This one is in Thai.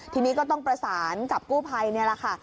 ทีนี้ก็ต้องประสานกับกู้ภัยนี่แหละค่ะ